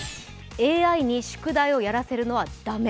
ＡＩに宿題をやらせるのは駄目。